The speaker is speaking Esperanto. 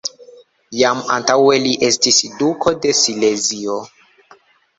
Jam antaŭe li estis duko de Silezio.